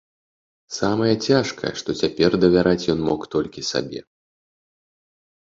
Самае цяжкае, што цяпер давяраць ён мог толькі сабе.